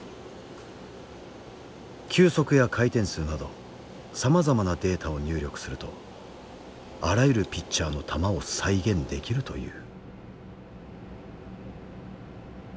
球速や回転数などさまざまなデータを入力するとあらゆるピッチャーの球を再現できるという。